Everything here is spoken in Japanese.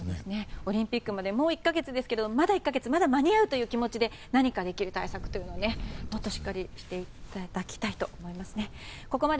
オリンピックまでもう１か月ですがまだ１か月間に合うという気持ちでできる対策をもっとしっかりしていただきたいと思います。